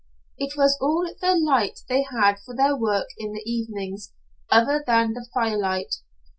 It was all the light they had for their work in the evenings, other than the firelight.